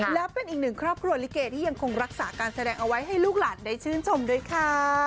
และเป็นอีกหนึ่งครอบครัวลิเกที่ยังคงรักษาการแสดงเอาไว้ให้ลูกหลานได้ชื่นชมด้วยค่ะ